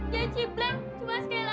jadi ciptaan cuma sekali aja